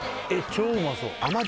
超うまそう！